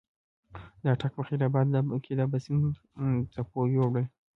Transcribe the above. د اټک په خېبر اباد کې د اباسین څپو یوړل.